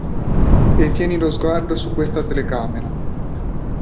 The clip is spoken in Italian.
E tieni lo sguardo su questa telecamera.